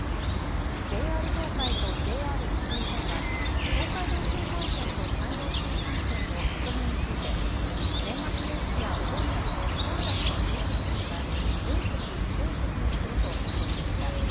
ＪＲ東海とＪＲ西日本は東海道新幹線と山陽新幹線ののぞみについて年末年始やお盆などの混雑のピーク時期には全席指定席にすると発表しました。